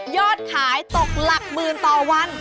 อดขายตกหลักหมื่นต่อวัน